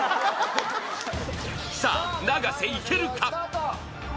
さぁ永瀬行けるか？